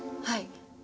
はい。